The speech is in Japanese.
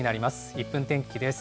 １分天気です。